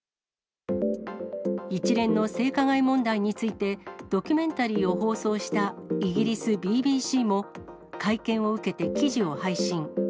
一連の性加害問題について、ドキュメンタリーを放送したイギリス・ＢＢＣも、会見を受けて記事を配信。